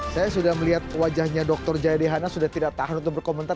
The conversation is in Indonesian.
saya sudah melihat wajahnya dr jayadi hana sudah tidak tahan untuk berkomentar